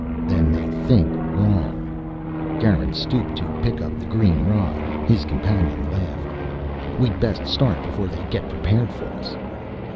"Then they think wrong." Garin stooped to pick up the green rod. His companion laughed. "We'd best start before they get prepared for us."